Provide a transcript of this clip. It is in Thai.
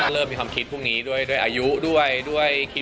เริ่มมีความคิดพรุ่งนี้ด้วยอายุด้วย